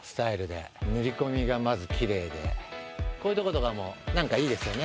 こういうとことかも何かいいですよね。